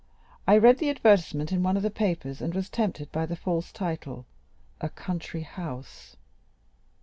I read the advertisement in one of the papers, and was tempted by the false title, 'a country house.